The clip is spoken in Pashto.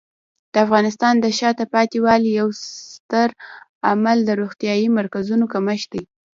د افغانستان د شاته پاتې والي یو ستر عامل د روغتیايي مرکزونو کمښت دی.